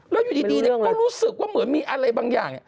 แล้วอยู่ดีก็รู้สึกว่าเหมือนมีอะไรบางอย่าง